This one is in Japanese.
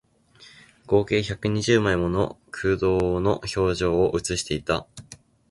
合計百二十枚もの空洞の表情を写していた